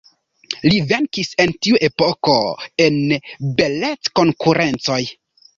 Li venkis en tiu epoko en beleckonkurencoj.